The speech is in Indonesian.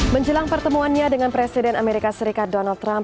menjelang pertemuannya dengan presiden amerika serikat donald trump